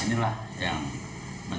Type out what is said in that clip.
terus kita bisa menjaga kemampuan